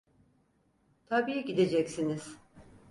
Tabii gideceksiniz…